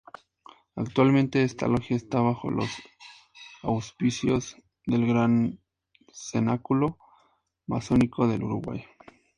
Actualmente esta Logia está bajo los auspicios del Gran Cenáculo Masónico del Uruguay.